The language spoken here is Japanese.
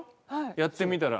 やってみたら。